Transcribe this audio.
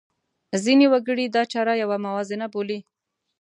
ځینې وګړي دا چاره یوه موازنه بولي.